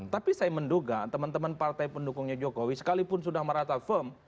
tapi saya menduga teman teman partai pendukungnya jokowi sekalipun sudah merata firm